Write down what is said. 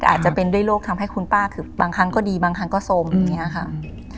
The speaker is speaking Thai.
อาจจะเป็นด้วยโรคทำให้คุณป้าคือบางครั้งก็ดีบางครั้งก็สมอย่างนี้ค่ะ